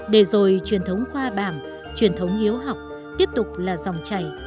để rồi truyền thống khoa bảng truyền thống hiếu học tiếp tục là dòng chảy